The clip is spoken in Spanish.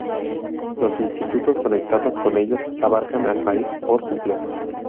Los institutos conectados con ellos abarcan al país por completo.